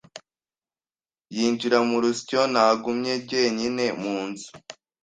yinjira mu rusyo Nagumye jyenyine munzu